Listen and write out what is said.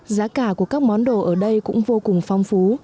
giá cả của các món đồ ở đây cũng vô cùng phong phú